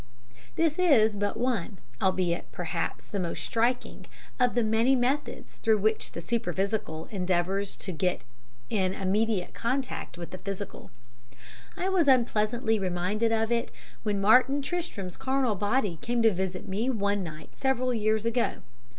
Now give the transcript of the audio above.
This is but one, albeit perhaps the most striking, of the many methods through which the superphysical endeavours to get in immediate contact with the physical. I was unpleasantly reminded of it when Martin Tristram's carnal body came to visit me one night several years ago.